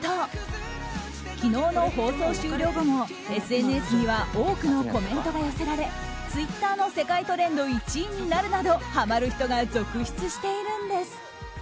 昨日の放送終了後もＳＮＳには多くのコメントが寄せられツイッターの世界トレンド１位になるなどハマる人が続出しているんです。